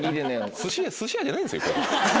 寿司屋じゃないんですよ。